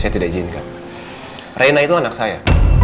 saya tidak izinkan reina itu anak saya